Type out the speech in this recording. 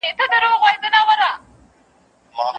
هلک په ډېر چالاکۍ سره له دروازې وتښتېد.